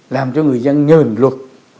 làm cho người dân nhờn luật